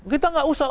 kita nggak usah